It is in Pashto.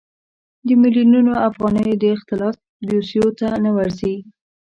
د میلیونونو افغانیو د اختلاس دوسیو ته نه ورځي.